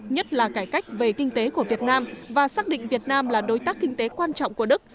nhất là cải cách về kinh tế của việt nam và xác định việt nam là đối tác kinh tế quan trọng của đức